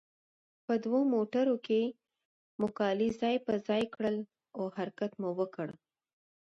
په دوو موټرونو کې مو کالي ځای پر ځای کړل او حرکت مو وکړ.